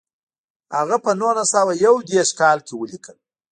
هغه په نولس سوه یو دېرش کال کې ولیکل.